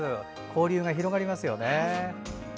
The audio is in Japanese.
交流が広がりますよね。